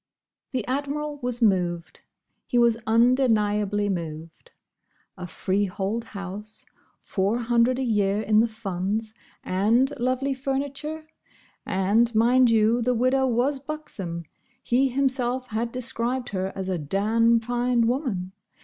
The Admiral was moved. He was undeniably moved. A freehold house, Four hundred a year in the Funds, and lovely furniture.—And, mind you, the widow was buxom; he himself had described her as a "Dam fine woman."